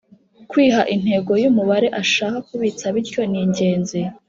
kwiha intego y’umubare ashaka kubitsa bityo ni ingenzi